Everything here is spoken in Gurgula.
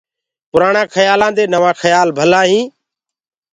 پُرآڻآ کيآلآندي نوآ کيآل ڀلآ هينٚ۔